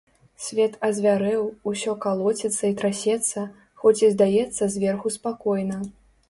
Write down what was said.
Свет азвярэў, усё калоціцца і трасецца, хоць і здаецца зверху спакойна.